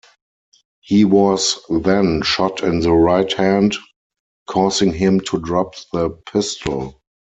He was then shot in the right hand, causing him to drop the pistol.